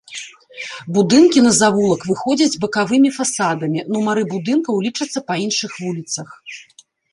Будынкі на завулак выходзяць бакавымі фасадамі, нумары будынкаў лічацца па іншых вуліцах.